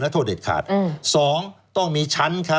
๒ต้องมีชั้น